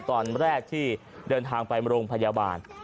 ตอนแรกที่เดินทางไปโรงพยาบาล